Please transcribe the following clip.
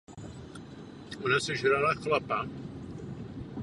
Na poli prózy začal psát vesnické a historické příběhy.